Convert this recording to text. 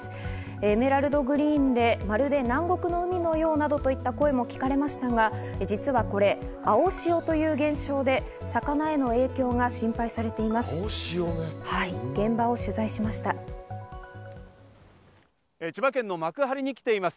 エメラルドグリーンで、まるで南国の海のようなどといった声も聞かれましたが、実はこれ、青潮という現象で魚への影響が心配されています。